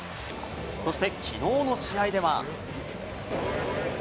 そして、きのうの試合では。